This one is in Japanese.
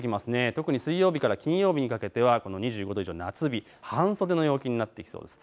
特に水曜日から金曜日にかけては２５度以上の夏日、半袖の陽気になりそうです。